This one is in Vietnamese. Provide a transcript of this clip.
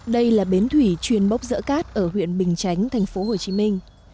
đây là bến thủy chuyên bốc dỡ cát ở huyện bình chánh thành phố hồ chí minh